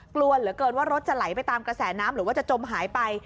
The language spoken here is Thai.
กลัวเหลือเกินว่ารถจะไหลไปตามกระแสน้ำหรือว่าจะจมหายไป